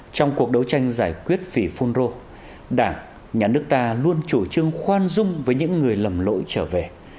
trong cuộc đấu tranh giải quyết phỉ phun rô đảng nhà nước ta luôn chủ trương khoan dung với những người lầm lỗi trở về